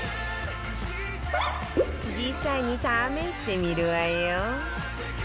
実際に試してみるわよ